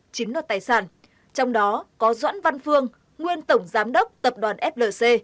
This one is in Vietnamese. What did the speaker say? chiếm đoạt tài sản trong đó có doãn văn phương nguyên tổng giám đốc tập đoàn flc